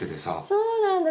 そうなんだ！